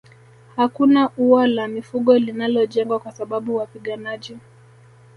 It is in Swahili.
Hakuna ua la mifugo linalojengwa kwa sababu wapiganaji